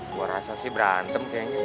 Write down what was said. gua rasa sih berantem keng